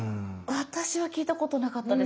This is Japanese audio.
私は聞いたことなかったです。